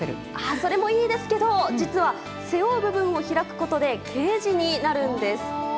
それもいいですけど実は、背負う部分を開くことでケージになるんです。